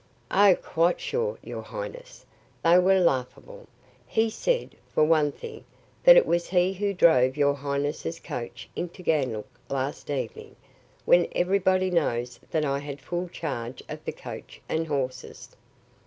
"Oh, quite sure, your highness. They were laughable. He said, for one thing, that it was he who drove your highness's coach into Ganlook last evening, when everybody knows that I had full charge of the coach and horses."